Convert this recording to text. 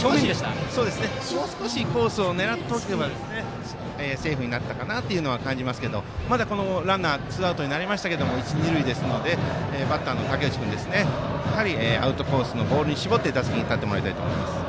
もう少しコースを狙っておけばセーフになったかなとは感じますけど、まだランナーがツーアウトになりましたが一、二塁ですのでバッターの竹内君アウトコースのボールに絞って、打席に立ってもらいたいと思います。